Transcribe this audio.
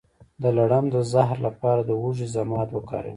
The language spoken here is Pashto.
د لړم د زهر لپاره د هوږې ضماد وکاروئ